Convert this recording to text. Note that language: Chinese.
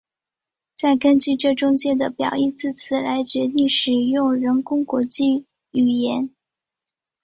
再根据这中介的表义字词来决定使用人工国际语言。